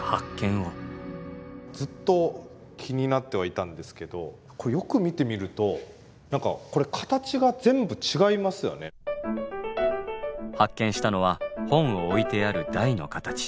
ずっと気になってはいたんですけどこれよく見てみると何か発見したのは本を置いてある台の形。